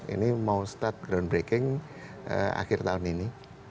ini mau start groundbreaking akhir tahun ini